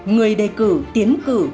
người đề cử tiến cử